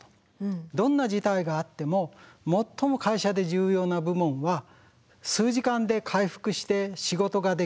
どんな事態があっても最も会社で重要な部門は数時間で回復して仕事ができる。